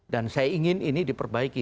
dan saya ingin ini diperbaiki